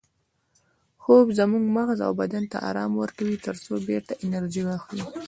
خوب زموږ مغز او بدن ته ارام ورکوي ترڅو بیرته انرژي واخلي